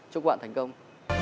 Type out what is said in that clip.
chúc bạn thành công